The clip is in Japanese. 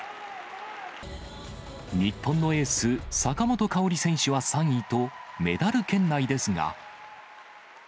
日本のエース、坂本花織選手は３位と、メダル圏内ですが。